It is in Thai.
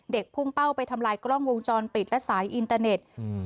พุ่งเป้าไปทำลายกล้องวงจรปิดและสายอินเตอร์เน็ตอืม